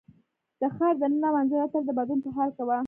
د ښار د ننه منظره تل د بدلون په حال کې وه.